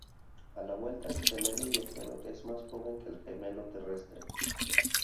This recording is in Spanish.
A la vuelta, el gemelo viajero es más joven que el gemelo terrestre.